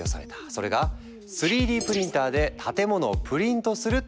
それが３Ｄプリンターで建物をプリントするっていうマジ？